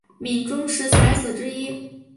闽中十才子之一。